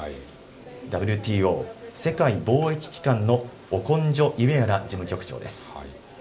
ＷＴＯ・世界貿易機関のオコンジョイウェアラ事務局長です。